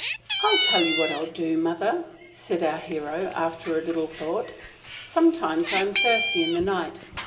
"I'll tell you what I will do, mother," said our hero, after a little thought. "Sometimes I am thirsty in the night.